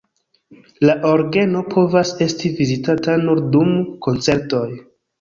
La orgeno povas esti vizitata nur dum koncertoj.